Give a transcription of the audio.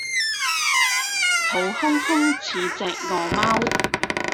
肚空空似隻餓貓